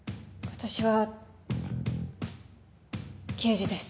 私は刑事です。